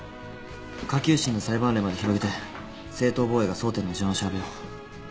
下級審の裁判例まで広げて正当防衛が争点の事案を調べよう。